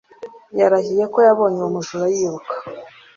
Yarahiye ko yabonye uwo mujura yiruka.